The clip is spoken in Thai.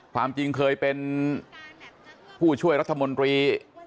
ความจริงเคยเป็นผู้ช่วยรัฐมนตรี